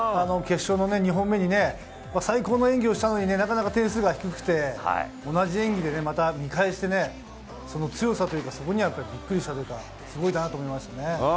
決勝の２本目に最高の演技をしたのになかなか点数が低くて同じ演技で、また見返してその強さというかそこにはビックリしたというかすごいなと思いました。